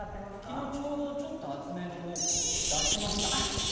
昨日ちょうど厚めの毛布を出しました。